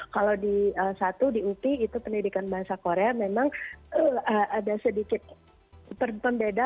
kalau di satu di upi itu pendidikan bahasa korea memang ada sedikit pembeda